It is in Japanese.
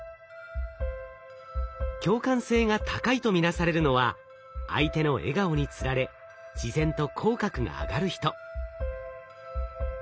共感性が高いと見なされるのは相手の笑顔につられ自然と口角が上がる人。